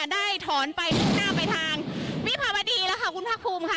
ได้ถอนไปมุ่งหน้าไปทางวิภาวดีแล้วค่ะคุณภาคภูมิค่ะ